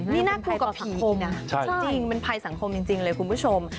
นี่น่ากลัวกว่าผีคมนะจริงเป็นภัยสังคมจริงเลยคุณผู้ชม